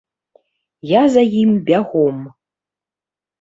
Я за ім бягом.